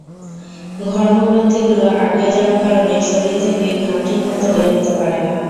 ঘর্মগ্রন্থিগুলো আটকে যাওয়ার কারণে শরীর থেকে ঘাম ঠিকমতো বের হতে পারে না।